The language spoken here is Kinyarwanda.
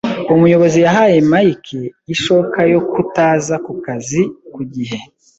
Umuyobozi yahaye Mike ishoka yo kutaza ku kazi ku gihe.